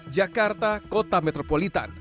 jakarta kota metropolitan